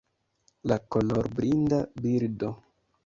La kolorblinda birdo